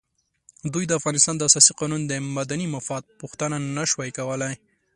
دوی د افغانستان د اساسي قانون د مدني مفاد پوښتنه نه شوای کولای.